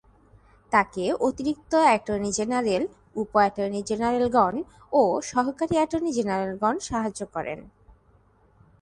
তাকে অতিরিক্ত attorney general, উপ-অ্যাটর্নি জেনারেলগণ ও সহকারী অ্যাটর্নি জেনারেলগণ সাহায্য করেন।